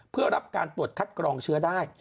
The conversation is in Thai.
เพื่อรับการตรวจคัดกรองเชื้อได้